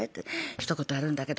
一言あるんだけど。